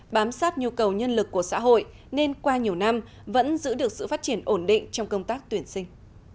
bám sát nhu cầu nhân lực của xã hội nên qua nhiều năm vẫn giữ được sự phát triển ổn định trong công tác tuyển sinh